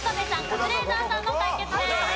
カズレーザーさんの対決です。